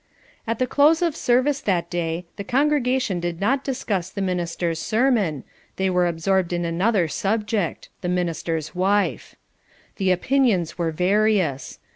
At the close of service that day, the congregation did not discuss the minister's sermon, they were absorbed in another subject: the minister's wife. The opinions were various.